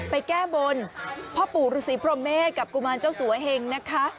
แก้บนพ่อปู่ฤษีพรหมเมษกับกุมารเจ้าสัวเหงนะคะ